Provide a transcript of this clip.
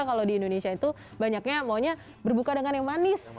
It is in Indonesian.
kalau di indonesia itu banyaknya maunya berbuka dengan yang manis